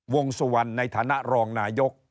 วงสุวรรณในฐานะรองนายก